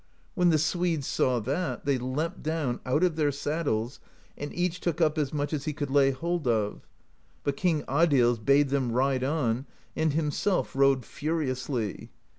When the Swedes saw that, they leapt down out of their saddles, and each took up as much as he could lay hold of; but King Adils bade them ride on, and himself rode furi ously.